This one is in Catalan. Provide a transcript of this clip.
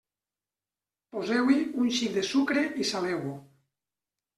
Poseu-hi un xic de sucre i saleu-ho.